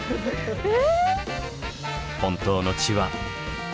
え！